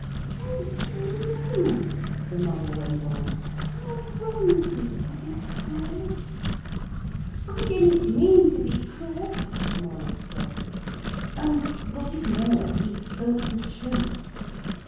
'Don't you know,' the mother went on, 'how wrong it is to be cruel?' 'I didn't mean to be cruel,' Maurice said. And, what is more, he spoke the truth.